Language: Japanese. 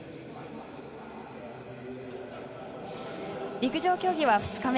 陸上競技は２日目。